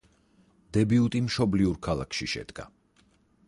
დებიუტი მშობლიურ ქალაქში შედგა.